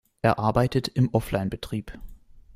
Er arbeitet im Offline-Betrieb.